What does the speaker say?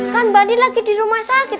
kan mbak andi lagi di rumah sakit